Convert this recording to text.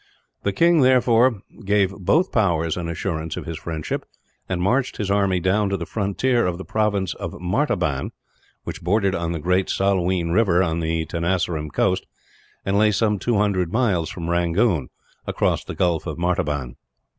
The king, therefore, gave both powers an assurance of his friendship; and marched his army down to the frontier of the province of Martaban, which bordered on the great Salween river on the Tenasserim coast, and lay some two hundred miles from Rangoon, across the gulf of Martaban.